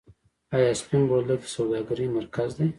آیا سپین بولدک د سوداګرۍ مرکز دی؟